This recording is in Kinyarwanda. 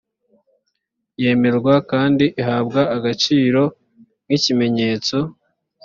yemerwa kandi ihabwa agaciro nk ikimenyetso